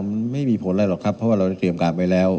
มันไม่มีผลอะไรหรอกครับเพราะว่าเราได้เตรียมการไว้แล้ว